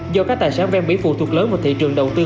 do các tài sản ven biển phụ thuộc lớn vào thị trường đầu tư